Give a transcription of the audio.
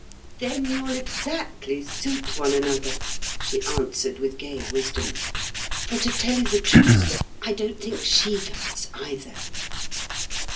"Then you'll exactly suit one another," she answered with gay wisdom. "For, to tell you the truth, I don't think she does either."